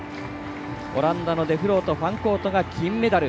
オランダのデフロート、ファンコートが金メダル。